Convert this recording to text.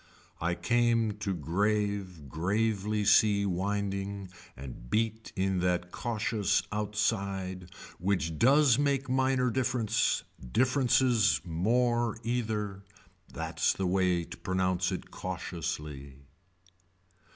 I came to grave gravely see winding and beat in that cautious outside which does make minor difference differences more either. That's the way to pronounce it cautiously.